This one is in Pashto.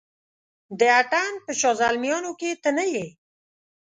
د اتڼ په شاه زلمیانو کې ته نه یې